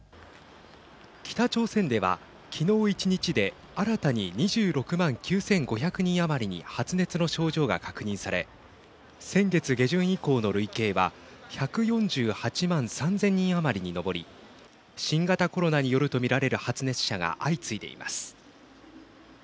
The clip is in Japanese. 北朝鮮ではきのう１日で新たに２６万９５００人余りに発熱の症状が確認され先月下旬以降の累計は１４８万３０００人余りに上り新型コロナによるとみられる発熱者が相次いでいます。